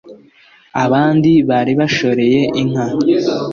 abandi bari bashoreye inka